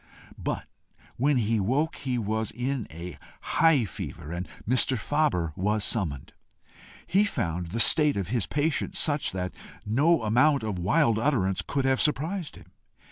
But when he woke, he was in a high fever, and Mr. Faber was summoned. He found the state of his patient such that no amount of wild utterance could have surprised him.